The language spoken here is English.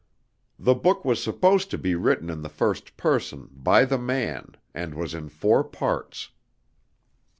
The book was supposed to be written in the first person, by the man, and was in four parts.